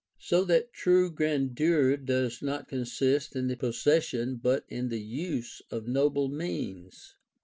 5. So that true grandeur' does not consist in the posses sion but in the use of noble means.